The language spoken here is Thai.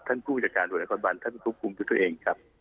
ท่านผู้จัดการตรวจนครบาลท่านควบคุมตัวเองครับ